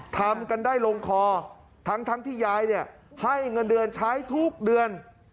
ทำกันได้ลงคอทั้งที่ยายเนี่ยให้เงินเดือนใช้ทุกเดือน